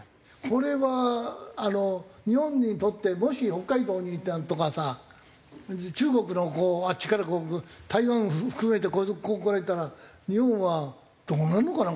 これはあの日本にとってもし北海道にとかさ中国のあっちからこう台湾含めて来られたら日本はどうなるのかな？